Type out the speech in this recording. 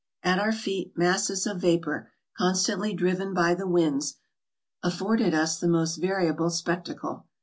At our feet masses of vapor, constantly driven by the winds, afforded us the most variable spectacle.